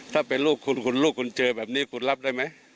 ถ้าเป็นลูกคุณคุณลูกคุณเจอแบบนี้คุณรับได้ไหม